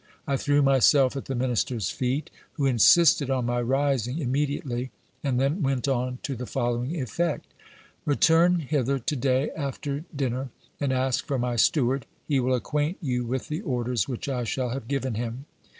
I threw myself at the minister's feet, who insisted on my rising immediately, and then went on to the following effect : Return hither to day after dinner, and ask for my steward : he will acquaint you with the orders which I shall have given him.